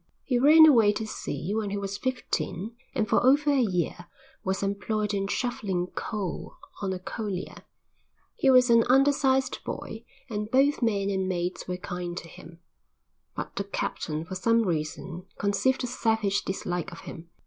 He ran away to sea when he was fifteen and for over a year was employed in shovelling coal on a collier. He was an undersized boy and both men and mates were kind to him, but the captain for some reason conceived a savage dislike of him.